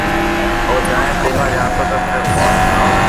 او جڻي پينوا جاتو تو صرف پئنچ گھرو